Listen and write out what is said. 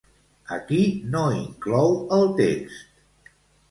A qui no inclou el text?